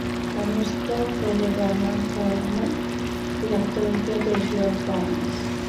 La música fue de Bernard Herrmann y la fotografía de George Barnes.